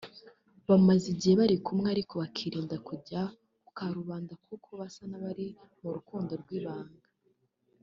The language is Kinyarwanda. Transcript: bamaze igihe bari kumwe ariko bakirinda kujya ku ka rubanda kuko basa n’abari mu rukundo rw’ibanga